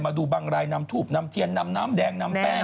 มาดูบางรายนำทูบนำเทียนนำน้ำแดงนำแป้ง